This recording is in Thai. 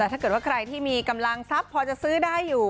แต่ถ้าเกิดว่าใครที่มีกำลังทรัพย์พอจะซื้อได้อยู่